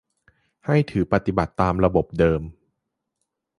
ให้ถือปฏิบัติตามระบบเดิม